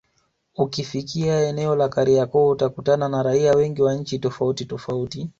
Ukifika eneo la Kariakoo utakutana na raia wengi wa nchi tofauti tofauti